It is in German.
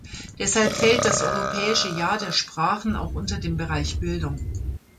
Deshalb fällt das Europäische Jahr der Sprachen auch unter den Bereich Bildung.